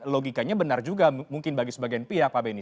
logikanya benar juga mungkin bagi sebagian pihak pak benny